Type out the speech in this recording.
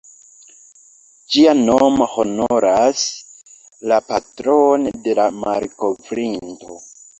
Ĝia nomo honoras la patron de la malkovrinto.